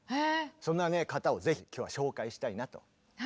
そんな方をぜひ今日は紹介したいなと思っております。